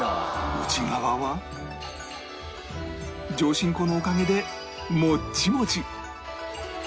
内側は上新粉のおかげでもっちもち